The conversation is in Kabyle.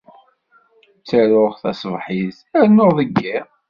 Ttaruɣ taṣebḥit, rennuɣ deg yiḍ.